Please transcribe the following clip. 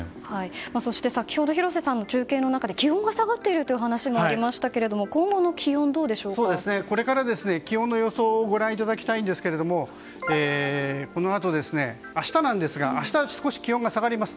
そして先ほど広瀬さんの中継の中で気温が下がっているという話もありましたけどもこれから気温の予想をご覧いただきたいんですがこのあと明日少し気温が下がります。